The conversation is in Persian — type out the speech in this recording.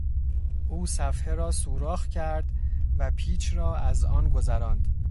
او صفحه را سوراخ کرد و پیچ را از آن گذراند.